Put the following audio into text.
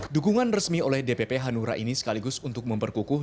dukungan resmi oleh dpp hanura ini sekaligus untuk memperkukuh